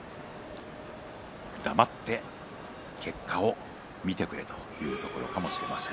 黙って結果を見てくれというところかもしれません。